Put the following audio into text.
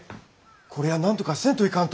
こりゃなんとかせんといかんと！